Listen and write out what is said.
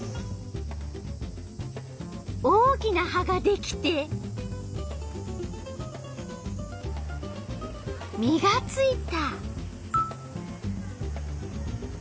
大きな葉ができて実がついた。